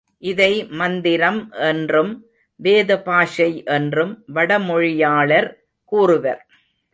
இதை மந்திரம் என்றும் வேத பாஷை என்றும் வடமொழியாளர் கூறுவர்.